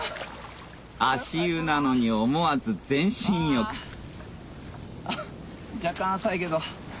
足湯なのに思わず全身浴若干浅いけど。